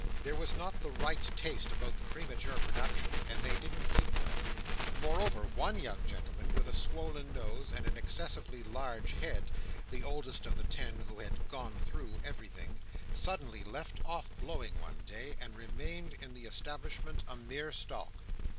There was not the right taste about the premature productions, and they didn't keep well. Moreover, one young gentleman, with a swollen nose and an excessively large head (the oldest of the ten who had "gone through" everything), suddenly left off blowing one day, and remained in the establishment a mere stalk.